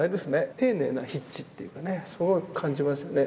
丁寧な筆致っていうかねすごい感じますよね。